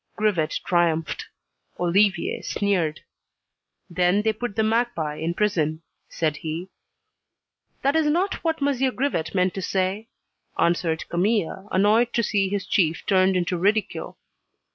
Grivet triumphed. Olivier sneered. "Then, they put the magpie in prison," said he. "That is not what M. Grivet meant to say," answered Camille, annoyed to see his chief turned into ridicule.